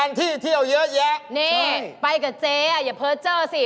นี่ไปกับเจ๊อะอย่าเพิวเจ้อสิ